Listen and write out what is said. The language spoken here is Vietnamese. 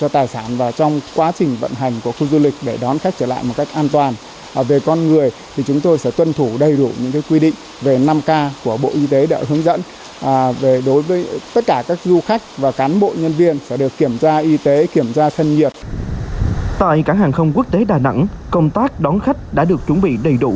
tại cảng hàng không quốc tế đà nẵng công tác đón khách đã được chuẩn bị đầy đủ